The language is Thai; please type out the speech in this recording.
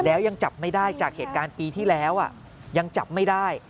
แล้วยังจับไม่ได้จากเหตุการณ์ปีที่แล้วยังจับไม่ได้